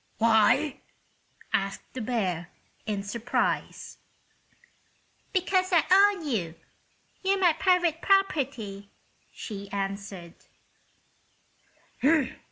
"Why?" asked the bear, in surprise. "Because I own you. You're my private property," she answered.